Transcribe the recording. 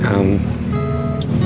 kamu cantik sekali